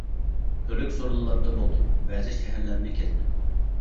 تۈرلۈك سورۇنلاردا بولدۇم، بەزى شەھەرلەرنى كەزدىم.